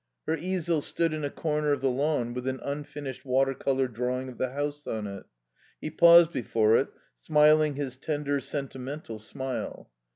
Her easel stood in a corner of the lawn with an unfinished water colour drawing of the house on it. He paused before it, smiling his tender, sentimental smile.